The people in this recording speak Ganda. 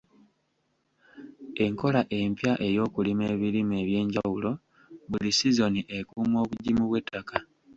Enkola empya ey'okulima ebirime eby'enjawulo buli sizoni ekuuma obugimu bw'ettaka.